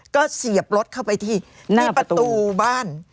ก็เสียบรถเข้าไปที่ประตูบ้าน